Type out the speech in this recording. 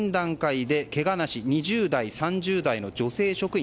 けがなし２０代、３０代の女性職員。